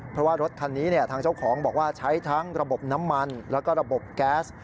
เพราะว่ารถคันนี้ทางเจ้าของบอกว่าใช้ทั้งระบบน้ำมันแล้วก็ระบบแก๊ส